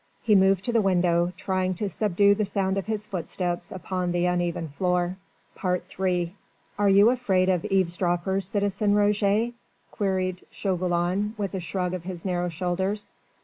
He moved to the window, trying to subdue the sound of his footsteps upon the uneven floor. III "Are you afraid of eavesdroppers, citizen Roget?" queried Chauvelin with a shrug of his narrow shoulders.